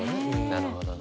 なるほどな。